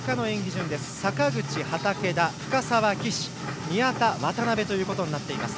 順坂口、畠田、深沢、岸宮田、渡部ということになっています。